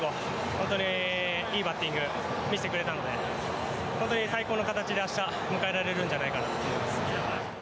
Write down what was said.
本当にいいバッティングを見せてくれたので最高の形で明日を迎えられるんじゃないかなと。